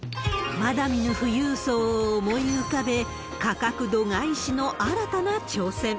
まだ見ぬ富裕層を思い浮かべ、価格度外視の新たな挑戦。